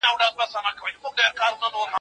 یو سړی وو یو یې سپی وو یو یې خروو